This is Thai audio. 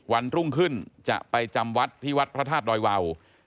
วันรุ่งขึ้นจะไปจำวัดที่วัดพระธาตุดอยวาว